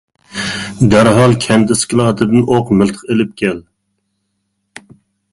دەرھال كەنت ئىسكىلاتىدىن ئوق-مىلتىق ئېلىپ كەل!